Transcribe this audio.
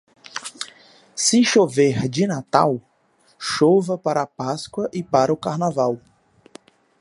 Se chover de Natal, chova para a Páscoa e para o Carnaval.